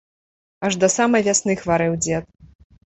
Аж да самай вясны хварэў дзед.